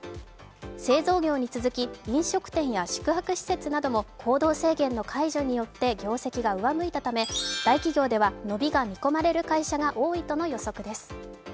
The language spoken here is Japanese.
製造業に続き、飲食店や宿泊施設なども行動制限の解除によって業績が上向いたため大企業では伸びが見込まれる会社が多いとのことです。